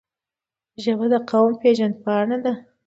ژبه د قوم پېژند پاڼه ده